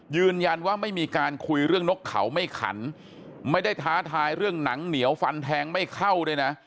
ยืนยันว่าไม่มีการคุยเรื่องนกเขาไม่ขันไม่ได้ท้าทายเรื่องหนังเหนียวฟันแทงไม่เข้าด้วยนะ